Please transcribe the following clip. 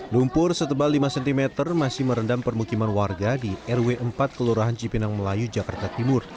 lumpur setebal lima cm masih merendam permukiman warga di rw empat kelurahan cipinang melayu jakarta timur